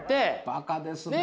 バカですね。